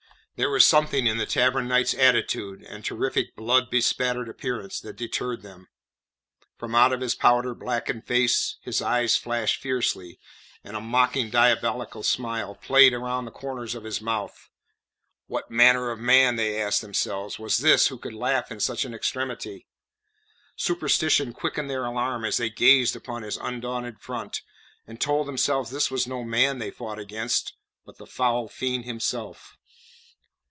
There was something in the Tavern Knight's attitude and terrific, blood bespattered appearance that deterred them. From out of his powder blackened face his eyes flashed fiercely, and a mocking diabolical smile played round the corners of his mouth. What manner of man, they asked themselves, was this who could laugh in such an extremity? Superstition quickened their alarm as they gazed upon his undaunted front, and told themselves this was no man they fought against, but the foul fiend himself.